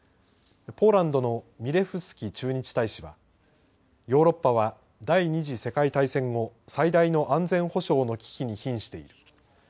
ポーランドのミレフスキ駐日大使はヨーロッパは第２次世界大戦後、最大の安全保障の危機にひんしている。